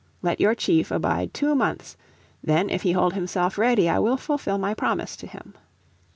Let your chief abide two months, then if he hold himself ready I will fulfil my promise to him."